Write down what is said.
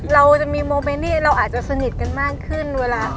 เราจะมีโมเมรี่เราอาจจะสนิทกันมากขึ้นเวลา